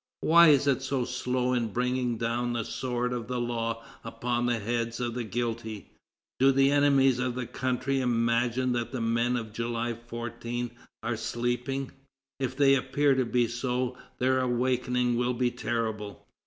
Why is it so slow in bringing down the sword of the law upon the heads of the guilty? ... Do the enemies of the country imagine that the men of July 14 are sleeping? If they appear to be so, their awakening will be terrible....